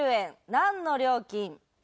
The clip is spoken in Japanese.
何の料金？